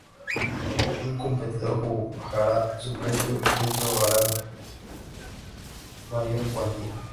Un competidor bajará su precio y otros lo harán en mayor cuantía.